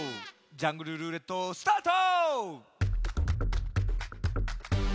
「ジャングルるーれっと」スタート！